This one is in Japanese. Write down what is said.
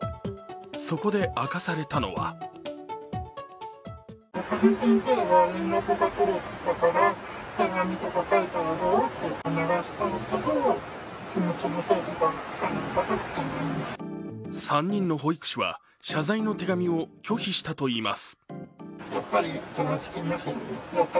そこで明かされたのは３人の保育士は謝罪の手紙を拒否したといいます。